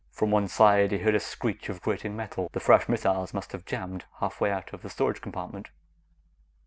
From one side, he heard a screech of grating metal. The fresh missiles must have jammed halfway out of the storage compartment.